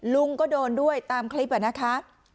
ลุงก็โดนด้วยตามคลิปแบบนี้นะคะ